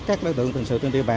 các đối tượng thần sự trên địa bàn